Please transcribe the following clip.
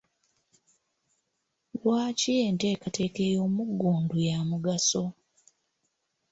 Lwaki enteekateeka ey'omuggundu ya mugaso?